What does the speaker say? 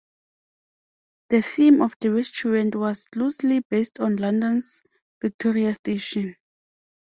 The theme of the restaurant was loosely based on London's Victoria Station.